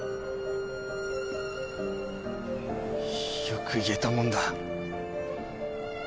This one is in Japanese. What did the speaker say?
よく言えたもんだ。